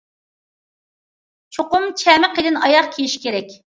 چوقۇم چەمى قېلىن ئاياغ كىيىش كېرەك.